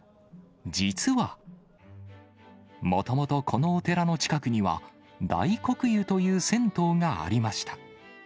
実は、もともとこのお寺の近くには、大黒湯という銭湯がありました。